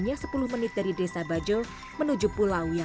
ya mereka ikut sama orang tuanya